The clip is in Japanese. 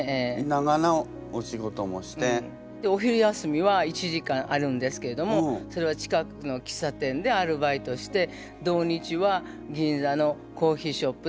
お昼休みは１時間あるんですけれどもそれは近くの喫茶店でアルバイトして土日は銀座のコーヒーショップでアルバイトしました。